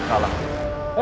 eh tapi sangger pak